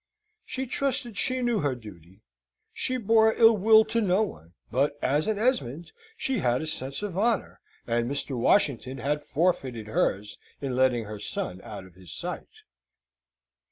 She trusted she knew her duty. She bore illwill to no one: but as an Esmond, she had a sense of honour, and Mr. Washington had forfeited hers in letting her son out of his sight.